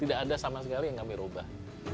tidak ada sama sekali yang kami ubah